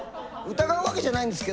疑うわけじゃないですよ。